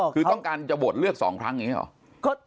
คือต้องการโหวดเลือก๒ครั้งดีหรอ